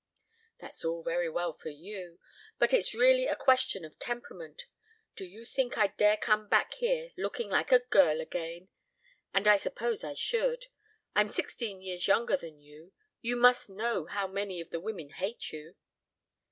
"That's all very well for you, but it's really a question of temperament. Do you think I'd dare come back here looking like a girl again and I suppose I should. I'm sixteen years younger than you. ... You must know how many of the women hate you."